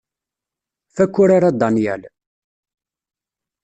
Fakk urar a Danyal.